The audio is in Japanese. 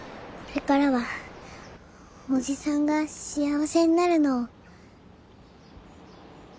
これからは叔父さんが幸せになるのを手伝います。